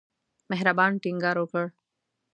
مهربان ټینګار وکړ.